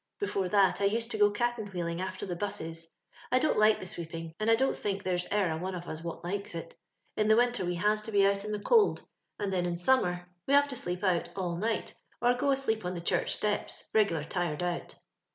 Before that I used to go caten wheeling after the busses. I don't like the sweeping, and I dont think there's e'er a one of us wot likes it. In the winter we has to be out in the cold^ and then in summer we have to sleep out all night, or go asleep on the church steps, reg'lar tired out.